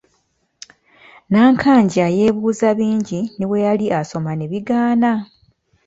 Nankanja yeebuuza bingi ne bye yali asoma ne bigaana.